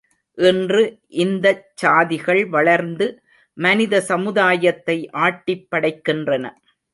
இன்று இந்தச் சாதிகள் வளர்ந்து மனித சமுதாயத்தை ஆட்டிப்படைக்கின்றன.